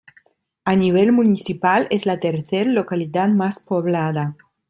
A nivel municipal es la tercer localidad más poblada.